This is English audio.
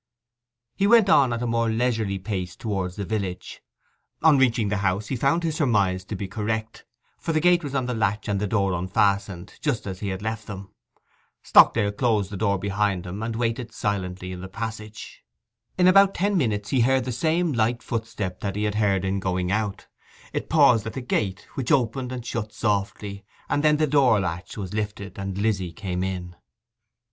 He went on at a more leisurely pace towards the village. On reaching the house he found his surmise to be correct, for the gate was on the latch, and the door unfastened, just as he had left them. Stockdale closed the door behind him, and waited silently in the passage. In about ten minutes he heard the same light footstep that he had heard in going out; it paused at the gate, which opened and shut softly, and then the door latch was lifted, and Lizzy came in.